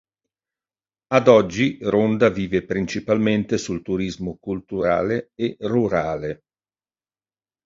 Ad oggi, Ronda vive principalmente sul turismo culturale e rurale.